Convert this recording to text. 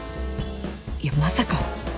いやまさか